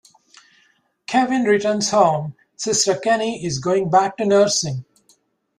Kevin returns home, Sister Kenny is going back to nursing.